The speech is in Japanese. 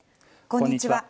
こんにちは。